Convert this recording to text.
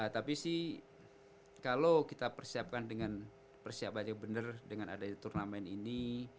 tapi sih kalau kita persiapkan dengan persiapannya benar dengan ada turnamen ini